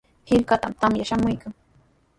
Hirkatami tamya shamuykan.